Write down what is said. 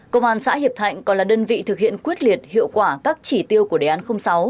công an xã hiệp thạnh còn là đơn vị thực hiện quyết liệt hiệu quả các chỉ tiêu của đề án sáu